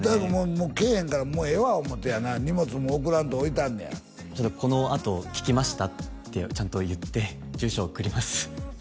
もうけえへんからもうええわ思うて荷物も送らんと置いてあるこのあと「聞きました」ってちゃんと言って住所送ります